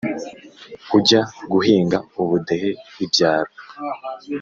Ujya guhinga ubudehe ibyaro.